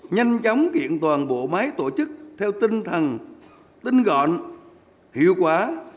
nhanh chóng kiện toàn bộ máy tổ chức theo tinh thần tinh gọn hiệu quả